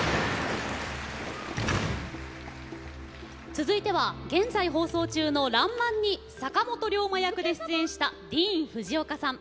続いては現在放送中の「らんまん」に坂本龍馬役で出演したＤＥＡＮＦＵＪＩＯＫＡさん。